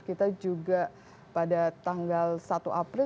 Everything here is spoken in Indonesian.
kita juga pada tanggal satu april